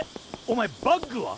お前バッグは！？